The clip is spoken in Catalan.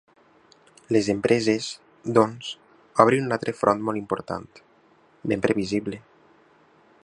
Les empreses, doncs, obren un altre front molt important, ben previsible.